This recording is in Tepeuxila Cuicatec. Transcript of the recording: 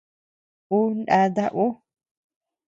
Ú ndata ú.